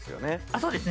そうですね